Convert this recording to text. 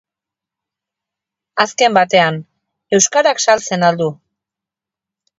Azken batean, euskarak saltzen al du?